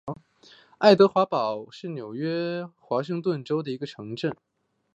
爱德华堡是美国纽约州华盛顿县的一个城镇。